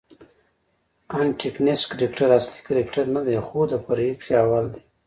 انټکنیسټ کرکټراصلي کرکټرنه دئ، خو د فرعي کښي اول دئ.